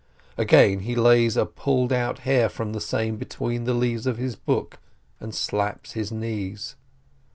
Again, he lays a pulled out hair from the same between the leaves of his book, and slaps his knees.